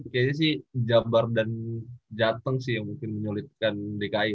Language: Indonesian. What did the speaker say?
kayaknya sih jabar dan jateng sih yang mungkin menyulitkan dki